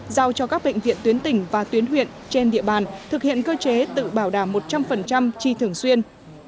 giao cho các bệnh viện tuyến tỉnh và tuyến huyện trên địa bàn thực hiện cơ chế tự bảo đảm một trăm linh chi thường xuyên